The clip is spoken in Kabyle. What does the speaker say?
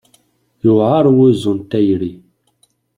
Yewɛer wuzzu n tayri.